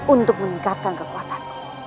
untuk meningkatkan kekuatanku